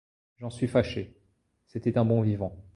J'en suis fâché; c'était un bon vivant.